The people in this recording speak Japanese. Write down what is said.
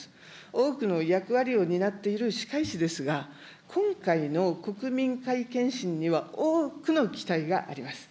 多くの役割を担っている歯科医師ですが、今回の国民皆健診には多くの期待があります。